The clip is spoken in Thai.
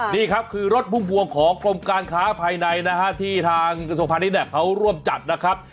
นี่ครับคือรถพุ่มพวงของกรมการค้าภายในนะฮะที่ทางกระทรวงพาณิชยเขาร่วมจัดนะครับ